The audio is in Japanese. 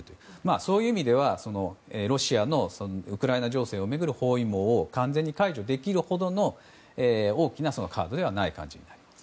そういう意味ではロシアのウクライナ情勢を巡る包囲網を完全に解除できるほどの大きなカードではない感じです。